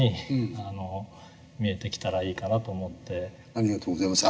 ありがとうございます。